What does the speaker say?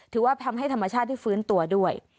ถือว่าทำให้ธรรมชาติได้ฟื้นตัวด้วย